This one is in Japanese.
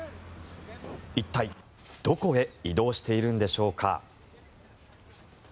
一体、どこへ移動しているのでしょうか。